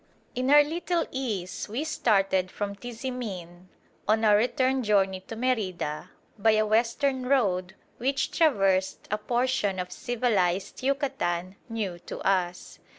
In our "Little Ease" we started from Tizimin on our return journey to Merida by a western road which traversed a portion of civilised Yucatan new to us.